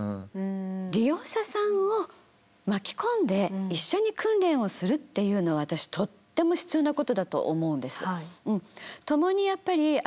利用者さんを巻き込んで一緒に訓練をするっていうのは私とっても必要なことだと思うんです。